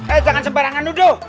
eh jangan sembarangan udo